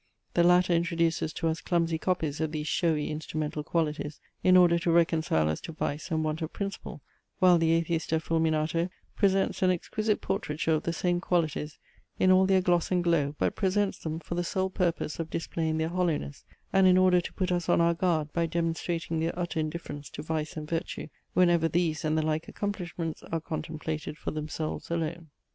The latter introduces to us clumsy copies of these showy instrumental qualities, in order to reconcile us to vice and want of principle; while the Atheista Fulminato presents an exquisite portraiture of the same qualities, in all their gloss and glow, but presents them for the sole purpose of displaying their hollowness, and in order to put us on our guard by demonstrating their utter indifference to vice and virtue, whenever these and the like accomplishments are contemplated for themselves alone.